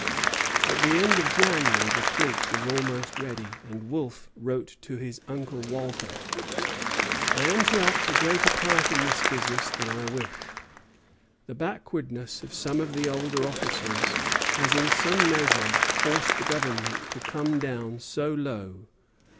At the end of January the fleet was almost ready, and Wolfe wrote to his uncle Walter: "I am to act a greater part in this business than I wished. The backwardness of some of the older officers has in some measure forced the Government to come down so low.